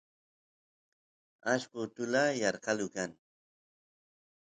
ashqo utula yarqalu kan